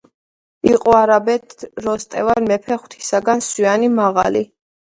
იყო არაბეთ როსტევან მეფე ხვთისაგან სვიანი მაღალი